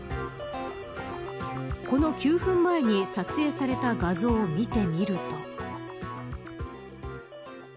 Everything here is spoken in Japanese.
この９分前に撮影された画像を見てみると。